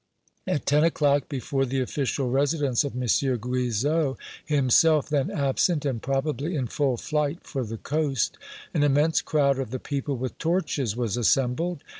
At ten o'clock, before the official residence of M. Guizot, himself then absent, and probably in full flight for the coast, an immense crowd of the people with torches was assembled.